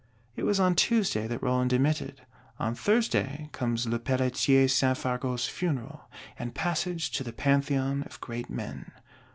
It was on Tuesday that Roland demitted. On Thursday comes Lepelletier St. Fargeau's Funeral, and passage to the Pantheon of Great Men.